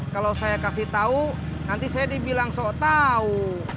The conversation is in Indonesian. kalau saya kasih tahu nanti saya dibilang sok tahu